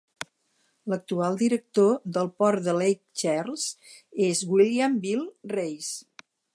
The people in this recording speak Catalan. L'actual director del Port de Lake Charles és William "Bill" Rase.